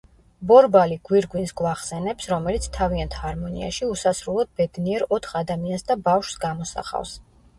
ბორბალი გვირგვინს გვახსენებს, რომელიც თავიანთ ჰარმონიაში უსასრულოდ ბედნიერ ოთხ ადამიანს და ბავშვს გამოსახავს.